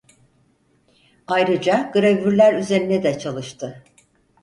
Ayrıca gravürler üzerine de çalıştı.